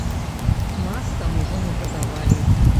Мак там ужо не прадавалі.